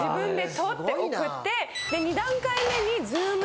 で２段階目に。